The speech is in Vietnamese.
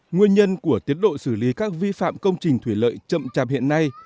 nguyên nhân của tiến độ xử lý các vi phạm công trình thủy lợi chậm chạp hiện nay